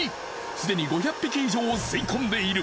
すでに５００匹以上を吸い込んでいる。